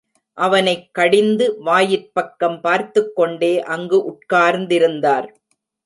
அவனைக் கடிந்து, வாயிற்பக்கம் பார்த்துக்கொண்டே அங்கு உட்கார்ந்தார்.